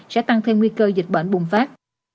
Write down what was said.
sẽ tăng thêm nguy cơ dịch bệnh bùng phát